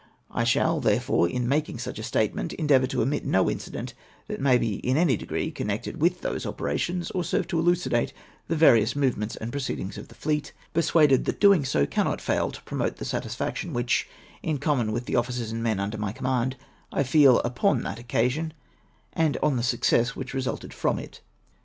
I shall, therefore, in making such a "statement, endeavour to omit no incident that may be in any degree connected with those operations, or serve to elucidate the various movements and proceedings of the fleet, persuaded that doing so cannot fail to promote the satisfaction which, in common with the officers and men under my command, I feel upon that occasion, and on the success which has resulted from it.